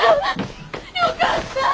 よかった。